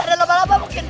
ada lama lama mungkin